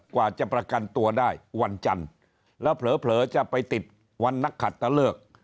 กว่าจะประกันตัวได้วันจันทร์แล้วเผลอจะไปติดวันนักขัดตะเลิก